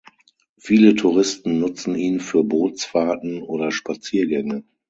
Viele Touristen nutzen ihn für Bootsfahrten oder Spaziergänge.